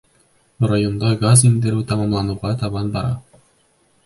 Районда газ индереү тамамланыуға табан бара.